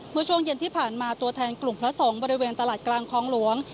เมื่อช่วงเย็นที่ผ่านมาตัวแทนกลุ่มพระสงฆ์บริเวณตลาดกลางคลองหลวง